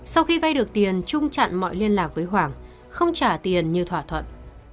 sau khi vay được tiền trung chặn mọi liên lạc với hoàng không trả tiền như thỏa thuận